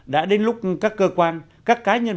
đã đến lúc các cơ quan các cá nhân